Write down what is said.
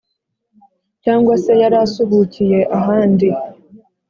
cyangwa se yarasuhukiye ahandi